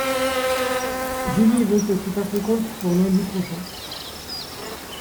Julie veut que tu fasses les comptes pour lundi prochain.